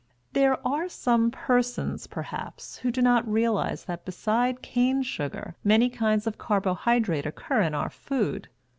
There are some persons, perhaps, who do not realize that beside cane sugar many kinds of carbohydrate occur in our food.